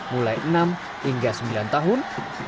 mulai enam hingga sembilan tahun sepuluh hingga tiga belas tahun